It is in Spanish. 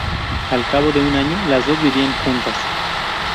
Al cabo de un año, las dos vivían juntas.